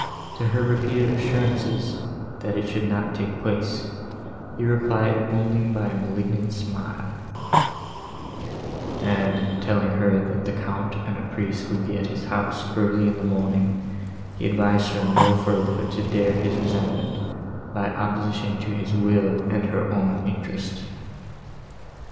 To her repeated assurances, that it should not take place, he replied only by a malignant smile; and, telling her that the Count and a priest would be at his house, early in the morning, he advised her no further to dare his resentment, by opposition to his will and to her own interest.